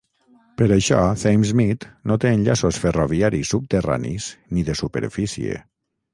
Per això Thamesmead no té enllaços ferroviaris subterranis ni de superfície.